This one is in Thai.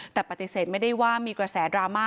แต่ปฏิเสธมากกว่าแต่ไม่ได้ว่ามีกระแส